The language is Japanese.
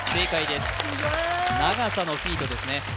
さすが長さのフィートですね